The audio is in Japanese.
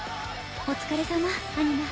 お疲れさまアニマ。